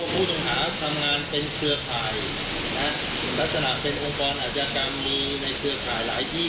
ผู้ต้องหาทำงานเป็นเครือข่ายลักษณะเป็นองค์กรอาชญากรรมมีในเครือข่ายหลายที่